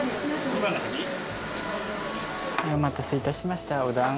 お待たせいたしました。